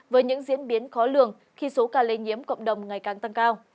với những diễn biến khó lường khi số ca lây nhiễm cộng đồng ngày càng tăng cao